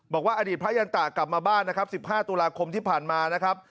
บอกว่าอดีตพระยันตะกลับมาบ้านนะครับ๑๕ตุลาคมที่ผ่านมานะครับ